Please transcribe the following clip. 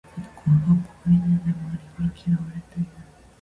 あの子は八方美人で周りから嫌われている